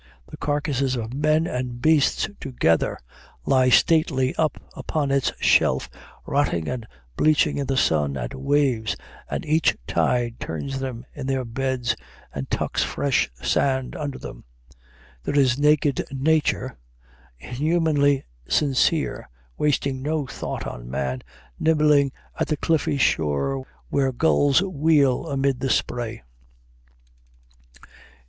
The carcasses of men and beasts together lie stately up upon its shelf, rotting and bleaching in the sun and waves, and each tide turns them in their beds, and tucks fresh sand under them. There is naked Nature, inhumanely sincere, wasting no thought on man, nibbling at the cliffy shore where gulls wheel amid the spray."